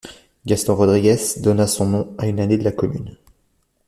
Gaston Rodrigues donna son nom à une allée de la commune.